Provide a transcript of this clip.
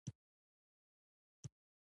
نو د خوشګوار حېرت د احساس سره